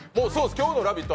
今日の「ラヴィット！」